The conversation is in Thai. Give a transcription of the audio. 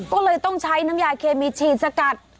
ก็เลยต้องใช้น้ำยาเคมีฉีดสกัด